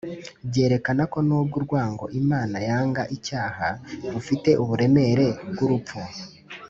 . Byerekana ko n’ubwo urwango Imana yanga icyaha rufite uburemere bw’urupfu,